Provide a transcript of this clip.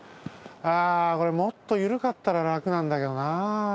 ああこれもっとゆるかったららくなんだけどな。